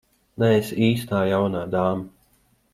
Neesi īstā jaunā dāma.